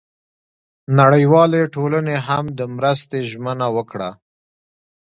نړیوالې ټولنې هم د مرستې ژمنه وکړه.